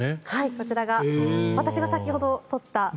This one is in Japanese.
こちらが私が先ほど撮ったものです。